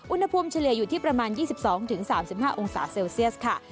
เฉลี่ยอยู่ที่ประมาณ๒๒๓๕องศาเซลเซียสค่ะ